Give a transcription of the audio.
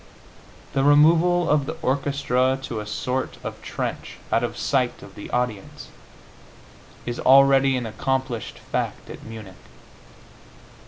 The removal of the orchestra to a sort of trench, out of sight of the audience, is already an accomplished fact at Munich.